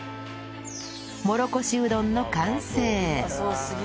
もろこしうどんの完成